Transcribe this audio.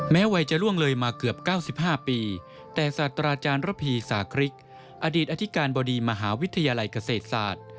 วัยจะล่วงเลยมาเกือบ๙๕ปีแต่ศาสตราจารย์ระพีสาคริกอดีตอธิการบดีมหาวิทยาลัยเกษตรศาสตร์